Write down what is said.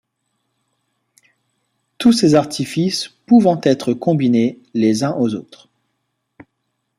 Tous ces artifices pouvant être combinés les uns aux autres.